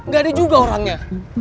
gak ada juga orangnya